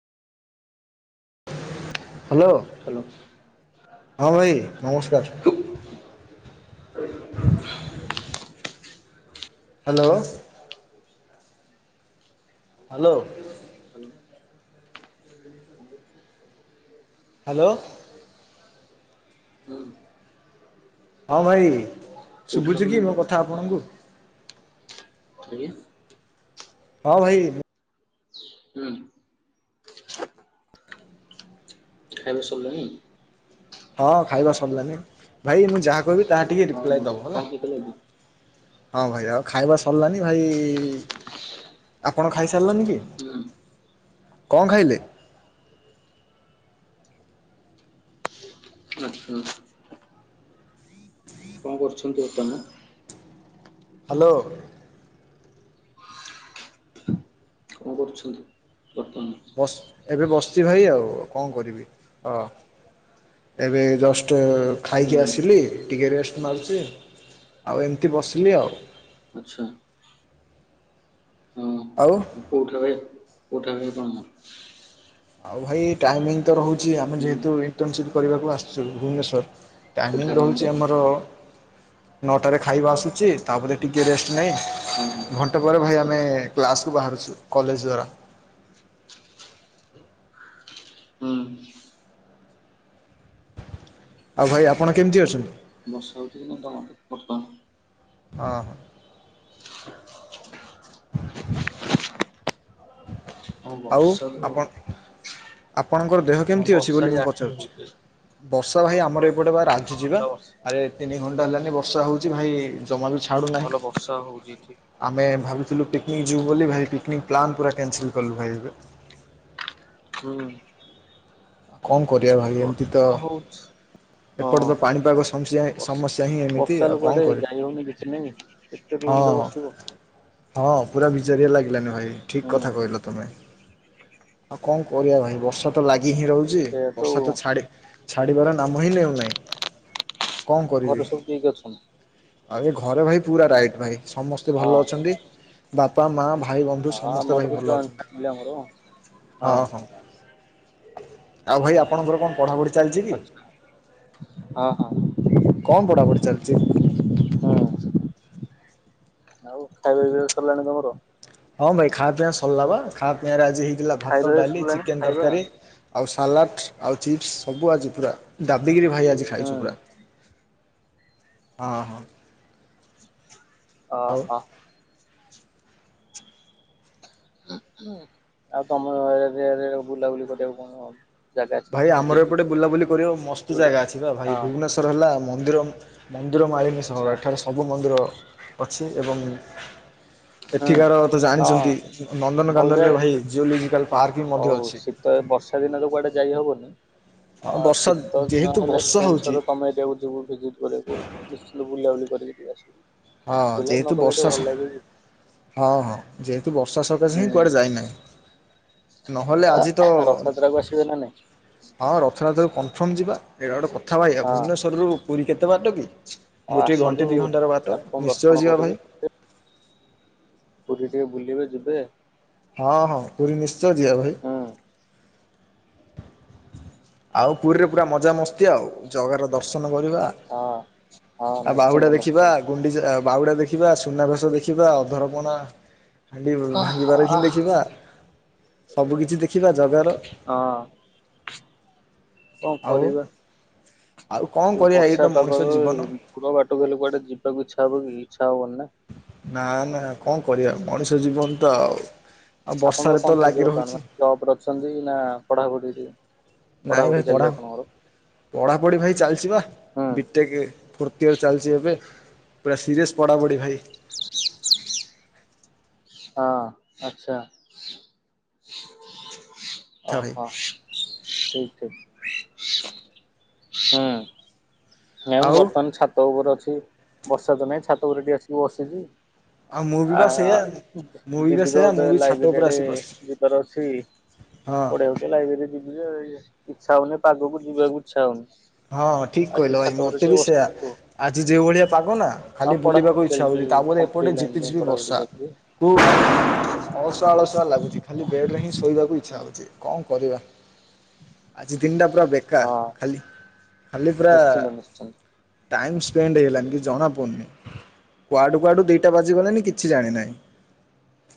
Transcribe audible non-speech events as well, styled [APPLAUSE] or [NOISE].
Hello hello. ହଁ ଭାଇ ନମସ୍କାର। ହୁଁ [INAUDIBLE] ହ୍ୟାଲୋ? ହ୍ୟାଲୋ? [INAUDIBLE] [INAUDIBLE] ହ୍ୟାଲୋ? ହୁଁ। ହଁ ଭାଇ ଶୁଭୁଛି କି ମୋ କଥା ଆପଣଙ୍କୁ? [UNINTELLIGIBLE] ହଁ ଭାଇ। ହୁଁ। ଖାଇବା ସାରିଲାଣି? ହଁ ଖାଇବା ସରିଲାନି ଭାଇ ମୁଁ ଯାହା କହିବି ତାହା ଟିକେ ହଁ ହଁ ରିପ୍ଲାଏ କଣ ଦବ ହେଲା? ଖାଇଥିଲେ ଆଜି? ହଁ ଭାଇ ଆଉ ଖାଇବା ସରିଲାନି ଭାଇ ଆପଣ ଖାଇସାରିଲେନିକି ହୁଁ କଣ ଖାଇଲେ? ଆଚ୍ଛା। କଣ କରୁଛନ୍ତି ବର୍ତ୍ତମା ହ୍ୟାଲୋ। କଣ କରୁଛନ୍ତି ବର୍ତ୍ତମାନ? ବ ଏବେ ବସିଛି ଭାଇ ଆଉ କଣ କରିବି ଅ ଏବେ ଜଷ୍ଟ ହୁଁ ଖାଇକି ଆସିଲି ଟିକେ ରେଷ୍ଟ ମାରୁଛି ଆଉ ଏମିତି ବସିଲି ଆଉ। ଆଛା ହଁ। ଆଉ। କୋଉଠ ଭାଏ କୋଉଠା ଭାଏ କଣ? ଆଉ ଭାଇ ଟାଇମିଙ୍ଗ ତ ରହୁଛି ଆମେ ହୁଁ ଯେହେତୁ ଇଣ୍ଟର୍ନସିପ୍ କରିବାକୁ ଆସିଛୁ ଭୁବନେଶ୍ୱର କୋଉଠି ଟାଇମିଂ ଆପଣଙ୍କର? ରହୁଛି ଆମର ନଅଟାରେ ଖାଇବା ଆସୁଚି ତାପରେ ଟିକିଏ ରେଷ୍ଟ ନେଇ ହଁ ହଁ। ଘଣ୍ଟା ପରେ ଭାଇ ଆମେ କ୍ଲାସ କୁ ବାହାରୁଛୁ କଲେଜ ଦ୍ଵାରା। ହୁଁ। ଆଉ ଭାଇ ଆପଣ କେମିତି ଅଛନ୍ତି? ବର୍ଷା ହଉଛି କି ନାଇ ତମ ଆଡ଼େ ବର୍ତ୍ତମାନ। ହଁ ହ। ହ ହଁ ଆଉ ବର୍ଷା ତ ଆପଣ ଆପଣଙ୍କର ଦେହ ହଁ କେମିତି ଅଛି ବର୍ଷା ବୋଲି ମୁଁ ଇଆଡେ ବି ପଚାରୁଛି? ହଉଛି। ଏ ବର୍ଷା ଭାଇ ଅଳ୍ପ ଆମର ଏପଟେ ବା କିଛି ରାଜୁ ସମୟ ଚି ବା ହେଲା ଆରେ ତିନି ଘଣ୍ଟା ହେଲାନି ବର୍ଷା ହଉଛି ଭାଇ। ଜମାରୁ ଛା ଭଲ ବର୍ଷା ହଉଛି ଏଠି। ଆମେ ଭାବିଥିଲୁ ପିକନିକ୍ ଯିବୁ ବୋଲି ଭାଇ ପିକନିକ ପ୍ଲାନ୍ ପୁରା କ୍ୟାନସଲ କଲୁ ଭାଇ ଏବେ। ହୁଁ। କଣ କରିବା ଭାଇ ଏମିତି ତ ବର୍ଷା ହଉଛି। ଏପଟେ ତ ହଁ। ପାଣିପାଗ ସମସ୍ୟା ବର୍ଷା। ସମସ୍ୟା ହିଁ ଏମିତି ବର୍ଷା ହେଲେ ଆଉ କୁଆଡେ କଣ ଯାଇ ହଉନି କିଛି ନାହିଁ କରିବୁ। କେତେ ରୁମରେ ବସିବ? ହଁ ପୁରା ବିଜାରିଆ ଲାଗିଲାନି ଭାଇ ଠିକ ହୁଁ କଥା କହିଲ ତମେ ଆଉ କଣ? କରିବା ଭାଇ ବର୍ଷ ତ ଲାଗି ହିଁ ରହୁ ଛି ସେଇଆତ ବର୍ଷା ଆଉ ତ ଛାଡି ଛାଡିବାର ନାମ ହିଁ ନେଉନାହିଁ। ଘରେ ସବୁ କିଏ କିଏ ଅଛନ୍ତି? ଆ ଘରେ ଭାଇ ପୁରା ରାଇଟ ଭାଇ ସମସ୍ତେ ହଁ ଭଲ ଅଛନ୍ତି ବାପା ମା ଭାଇ ବନ୍ଧୁ ହଁ ସମସ୍ତେ ଆମର ଭାଇ ବି ଭଲ ଜଏଣ୍ଟ ଅଛନ୍ତି ଫ୍ୟାମିଲି ଆମର ହଁ। ହଁ ହଁ। ଆଉ ଭାଇ ଆପଣଙ୍କର କଣ ପଢା ପଢି? ଆଛା ହଁ ହଁ। କଣ ପଢାପଢି ଚାଲିଛି? ହଁ ଆଉ ଖାଇବା ପିଇବା ସରିଲାଣି ତମର? ହଁ ଭାଇ ଖା ପିଇଆ ସରିଲା ବା ଖା ପିଆରେ ଆଜି ହେଇଥିଲା ଭାତ ଖାଇବା ଡାଲି ସରିଲାଣି ଚିକେନ ଖାଇବା ତରକାରୀ ଆଉ ସାଲାଡ଼ ଆଉ ଚିପ୍ସ ସବୁ ଆଜି ପୁରା ଗାଦିକିରି ଭାଇ ଆଜି ହୁଁ ଖାଇଛୁ ପୁରା। ହଁ ହଁ। ଆଉ ଅହ। ଆଉ ତମ ଏରିଆରେ ବୁଲାବୁଲି କରିଆକୁ କଣ [UNINTELLIGIBLE] ଅଛି ଭାଇ ମାନେ ଭିଜିଟ ଆମର ଏପଟେ ଅଛି? ବୁଲାବୁଲି କରିବ ମସ୍ତ ଯୋଉଟା ଜାଗା ଅଛି ବା ଭାଇ ହଁ ଭୁବନେଶ୍ଵର ହେଲା ମନ୍ଦିରମ୍ ମନ୍ଦିର ମାଳିନୀ ଆଚ୍ଛା। ସହର ଏଠାରେ ସବୁ ମନ୍ଦିର ଅଛି ଏବଂ ହୁଁ ଏଠିକାର ତ ହଁ ଜାଣିଛନ୍ତି ଭଲ ନନ୍ଦନକାନନରେ ଜାଗା ଭାଇ ଜିଓଲୋଜିକାଲ୍ ପାର୍କ ବି ମଧ୍ୟ ଅଛି। ତ ଏ ବର୍ଷା ଦିନରେ କୁଆଡେ ଯାଇ ହବନି ହଁ ବର୍ଷା ଶୀତ ଦିନ ଯେହେତୁ ହେଲେ ବର୍ଷା ଫ୍ରେଣ୍ଡ୍ ହଉଛି ସହିତ ତମ ଏରିଆକୁ ଯିବୁ ଭିଜିଟ୍ କରିଆକୁ ନିଶ୍ଚନ୍ତ ବୁଲାବୁଲି କରିକିି ଟିକେ ଆସିବି। ହଁ ଯେହେତୁ ବର୍ଷା ସ ହଁ-ହଁ ଯେହେତୁ ବର୍ଷା ସକାଶେ ହିଁ କୁଆଡ଼େ ଯାଇ ନାଇଁ। ଅ ରଥଯାତ୍ରା କୁ ଆସିବେ ନା ନାଇଁ? ହଁ ରଥଯାତ୍ରା କୁ କନଫର୍ମ ଯିବା ଏଇଟା ଗୋଟେ କଥା ଭାଇ ଆଉ ହଁ ଭୁବନେଶ୍ୱରରୁ ପୁରୀ କେତେ ବାଟ କି? ଆଉ ଗୋଟିଏ ଆସନ୍ତୁ ଘଣ୍ଟେ ଦି ଘଣ୍ଟାର ବାଟ ଠାକୁରଙ୍କୁ ଦର୍ଶନ ନିଶ୍ଚୟ ଯିବା କରିବେ। ଭାଇ। ପୁରୀ ରେ ବୁଲିବେ ଯିବେ। ହଁ-ହଁ ପୁରୀ ନିଶ୍ଚୟ ଯିଆ ଭାଇ। ହୁଁ ଆଉ ପୁରୀରେ ପୁରା ମଜାମସ୍ତି ଆଉ ଜଗା ର ଦର୍ଶନ କରିବା। ହଁ-ହଁ ଆଉ ବାହୁଡ଼ା ନିଶ୍ଚିନ୍ତ ଦେଖିବା ନିଶ୍ଚିନ୍ତ। ଗୁଣ୍ଡିଚା, ବାଉଡା ଦେଖିବା, ସୁନାଭେସ ଦେଖିବା, ଅଧରପଣା ହାଣ୍ଡି ହଁ ଭାଙ୍ଗିବାର ହିଁ ହଁ ଦେଖିବା ସବୁ କିିଛି ଦେଖିବା ଜଗା ର। ହଁ। କଁ ଆଉ କରିବା ଆଉ କଣ ଏ କରିବା ଏଇ ତ ବର୍ଷା ମଣିଷ ପାଗରେ ଜୀବନ। ଦୂର ବାଟକୁ ହେଲେ କୁଡେ ଯିବାକୁ ଇଚ୍ଛା ହବ କି ଇଚ୍ଛା ହବନି ନା? ନା ନା କଁ କରିବା ମଣିଷ ଜୀବନ ତ ଆଉ, ଆ ବର୍ଷାରେ ତ ଲାଗି ରହୁଚି। ଜବ୍ ରେ ଅଛନ୍ତି ନା ପଢ଼ାପଢ଼ିରେ? ନାଇଁ ଭାଇ ପଢ଼ା। ପଢାପଢି ଭାଇ ଚାଲିଚି ବା ହୁଁ ବିଟେକେ ଫୋର୍ଥ ଇୟର୍ ଚାଲିଚି ଏବେ। ପୁରା ସିରିୟସ୍ ପଡାପଡି ଭାଇ। ହଁ ଆଚ୍ଛା କଥା ଭାଇ ଅହ। ଠିକ୍ ଅଛି, ହୁଁ [UNINTELLIGIBLE] ମୁଁ ଆଉ ବର୍ତ୍ତମାନ୍ ଛାତ ଉପରେ ଅଛି ବର୍ଷା ତ ନାଇଁ ଛାତ ଉପରେ ଟିକେ ଆସିକି ବସିଚି। ଆଉ ମୁଁ ବି ବା ସେଇଆ। ମୁଁ ଆ ବି ବା ଯିବି ତ ସେଇଆ ମୁଁ ଏବେ ବି ଛାତ ଲାଇବ୍ରେରୀ ଉପରେ ଆଡେ ଆସି ବସିଛି ଯିବାର ଅଛି। ହଁ। ଗଡେଇ ହଉଚି ଲାଇବ୍ରେରୀ ଯିବି ଯେ ଇଚ୍ଛା ହଉନି ପାଗକୁ ଯିବାକୁ ଇଛା ହଉନି। ହଁ ଠିକ୍ ଆସିକି କଇଲ ଭାଇ ଛାତ ଉପରେ ମତେ ଟିକେ ବି ସେୟା ବସିଛୁ। ଆଜି ଯେଉ ଭଳିଆ ପାଗ ନା ହଁ ଖାଲି ପଢା ବୁଲିବାକୁ ଇଚ୍ଛା ଚାଲିଛି ହଉଚି, ତାପରେ ଏପଟେ କମ୍ପିଟେଟିଭ ଲାଇନ ଝପି ପାଇଁ ଝପି ପଢାପଢି ବର୍ଷା। ଚାଲିଛି। ଅଳସୁଆ ଅଳସୁଆ ଲାଗୁଚି ଖାଲି ବେଡ୍‌ ରେ ହିଁ ଶୋଇବାକୁ ହୁଁ। ଇଚ୍ଛା ହଉଚି। କଁ କରିବା ଆଜି ଦିନଟା ପୁରା ହଁ ବେକାର ଖାଲି ଖାଲି ପୁରା ନିଶ୍ଚିନ୍ତ ନିଶ୍ଚିନ୍ତ। ଟାଇମ୍ ସ୍ପେଣ୍ଡ୍ ହେଇଲାନି କିଛି ଜଣାପଡ଼ୁନି। କୁଆଡ଼ୁ କୁଆଡ଼ୁ ଦିଟା ବାଜିଗଲେନି କିଛି ଜାଣି ନାଇଁ।